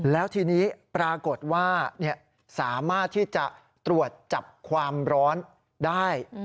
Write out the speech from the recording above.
แล้วทีนี้ปรากฏว่าสามารถที่จะตรวจจับความร้อนได้